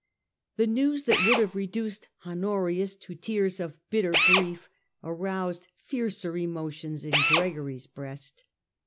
The news that would have reduced Honorius to tears of bitter grief aroused fiercer emotions in Gregory's breast.